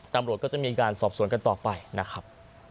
ตำรวจก็จะมีการสอบสวนกันต่อไปนะครับ